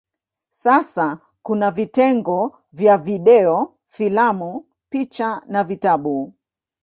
Sasa kuna vitengo vya video, filamu, picha na vitabu.